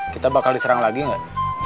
kita bakal diserang lagi nggak